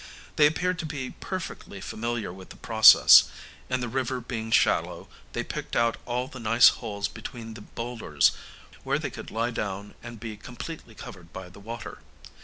They appeared to be perfectly familiar with the process; and, the river being shallow, they picked out all the nice holes between the boulders, where they could lie down and be completely covered by the water.